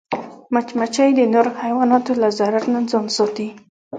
مچمچۍ د نورو حیواناتو له ضرر نه ځان ساتي